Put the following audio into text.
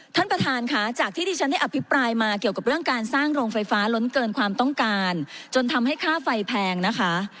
ท่านประธานค่ะจากที่ที่ฉันได้อภิปรายมาเกี่ยวกับเรื่องการสร้างโรงไฟฟ้าล้นเกินความต้องการจนทำให้ค่าไฟแพงนะคะ